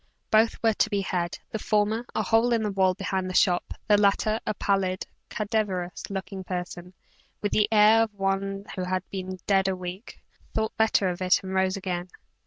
Both were to be had; the former, a hole in the wall behind the shop; the latter, a pallid, cadaverous looking person, with the air of one who had been dead a week, thought better of it and rose again.